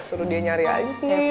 suruh dia nyari aja